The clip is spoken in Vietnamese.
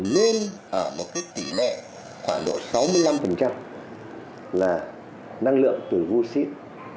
nên ở một kết tỷ mẹ khoảng độ sáu mươi năm là năng lượng từ gusset